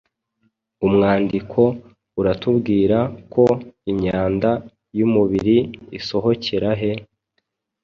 Umwandiko uratubwira ko imyanda y’umubiri isohokera he?